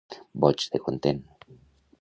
Boig de content.